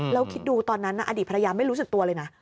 แล้วคิดดูตอนนั้นอดีตภรรยาไม่รู้สึกตัวเลยนะ